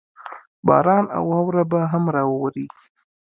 باران او واوره به هم راووري.